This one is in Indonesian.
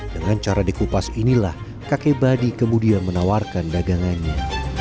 dengan cara dikupas inilah kakek badi kemudian menawarkan dagangannya